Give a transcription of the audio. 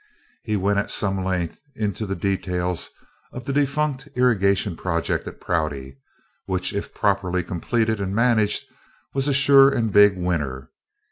He went at some length into the details of the defunct irrigation project at Prouty, which if properly completed and managed was a sure and big winner.